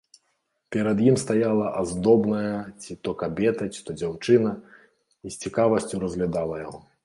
Перад ім стаяла аздобная ці то кабета, ці дзяўчына і з цікавасцю разглядала яго.